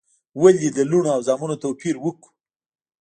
ولي د لوڼو او زامنو توپیر وکو؟